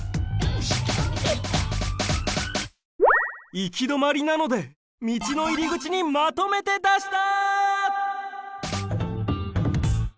行き止まりなので道の入り口にまとめてだした！